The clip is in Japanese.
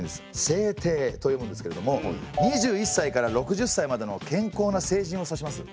「せいてい」と読むんですけれども２１歳から６０歳までの健康な成人を指します。